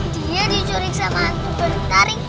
dia diculik sama hantu bertaring